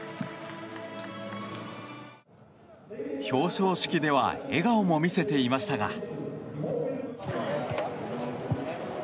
表彰式では笑顔も見せていましたが。